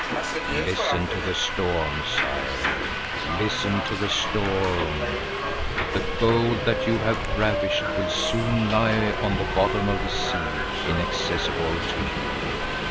"Listen to the storm, Sire, listen to the storm! The gold that you have ravished will soon lie on the bottom of the sea, inaccessible to you.